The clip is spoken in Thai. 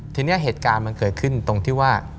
ทีนี้เหตุการณ์มันเกิดขึ้นตรงที่ว่า